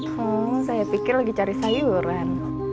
hmm saya pikir lagi cari sayuran